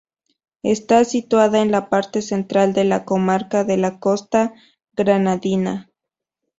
Está situada en la parte central de la comarca de la Costa Granadina.